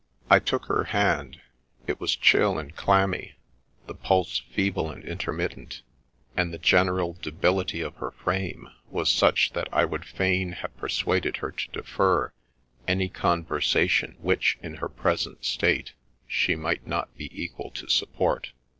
I took her hand ; it was chill and clammy, the pulse feeble and intermittent, and the general debility of her frame was such that I would fain have persuaded her to defer any conversation which, in her present state, she might not be equal to support.